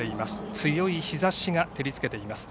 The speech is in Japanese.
強い日ざしが照りつけています。